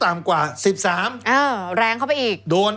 แล้วเขาก็ใช้วิธีการเหมือนกับในการ์ตูน